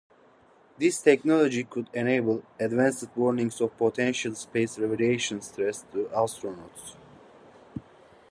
This technology could enable advanced warnings of potential space radiation threats to astronauts.